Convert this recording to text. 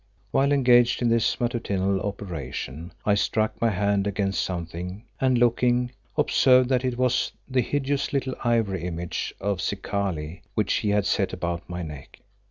While engaged in this matutinal operation I struck my hand against something and looking, observed that it was the hideous little ivory image of Zikali, which he had set about my neck.